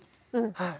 はい。